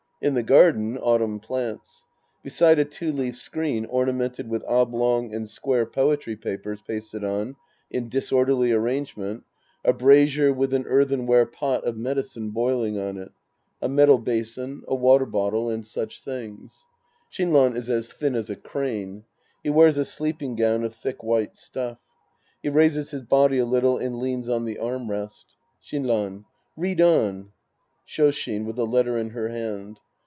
In the garden, autumn plants. Beside a two leaf screen ornamented with oblong and square poetry papers pasted on in disorderly arrangement, a brazier with an earthenware pot of medicine boiling on it. A metal basin, a water bottle and such things. Shinran is as thin as a crane. He wears a sleeping gown of thick white stuff. He raises his body a little and leans on the arm rest^ Shinran. Read on. Shoshin {with a letter in her hand).